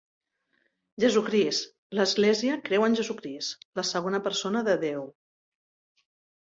Jesucrist, l'església creu en Jesucrist, la segona persona de Déu.